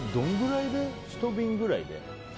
１瓶くらいで？